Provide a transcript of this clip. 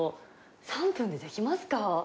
３分でできますか？